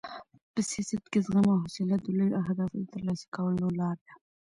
په سیاست کې زغم او حوصله د لویو اهدافو د ترلاسه کولو لار ده.